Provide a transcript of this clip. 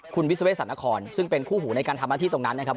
คุณวิศเวสันนครซึ่งเป็นคู่หูในการทำหน้าที่ตรงนั้นนะครับ